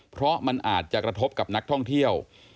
เพราะมันอาจจะกระทบกับนักท่องเที่ยว